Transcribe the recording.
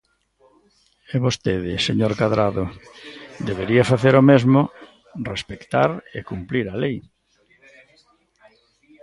E vostede, señor Cadrado, debería facer o mesmo: respectar e cumprir a lei.